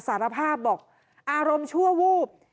สารภาพบอกอารมณ์ชั่ววูบ